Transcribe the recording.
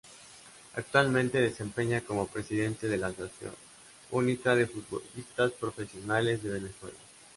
Actualmente se desempeña como presidente de la Asociación Única de Futbolistas Profesionales de Venezuela.